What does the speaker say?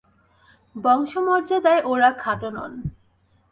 বংশমর্যাদায় ওঁরা খাটো নন।